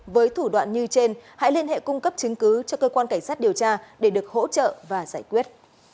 với thủ đoạn như trên hãy liên hệ cung cấp chứng cứ cho cơ quan cảnh sát điều tra để được hỗ trợ và giải quyết